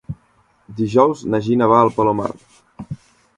Dijous na Gina va al Palomar.